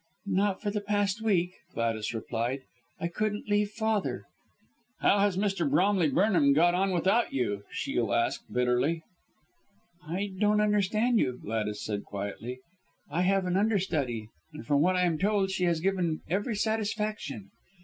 "Not for the past week," Gladys replied. "I couldn't leave father." "How has Mr. Bromley Burnham got on without you?" Shiel asked bitterly. "I don't understand you," Gladys said quietly. "I have an understudy, and from what I am told she has given every satisfaction.